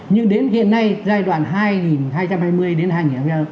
nhưng đến hiện nay giai đoạn hai nghìn hai mươi đến hai nghìn hai mươi năm